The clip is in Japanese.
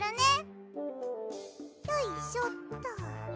よいしょっと。